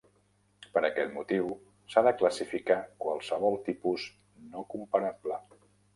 Per aquest motiu, s"ha de classificar qualsevol tipus no comparable.